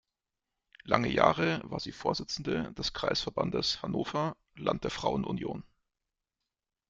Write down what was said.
Lange Jahre war sie Vorsitzende des Kreisverbandes Hannover-Land der Frauen-Union.